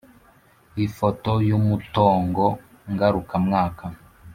Ifoto y umutongo ngarukamwaka